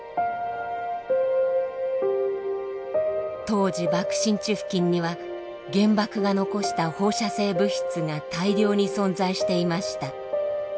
当時爆心地付近には原爆が残した放射性物質が大量に存在していました。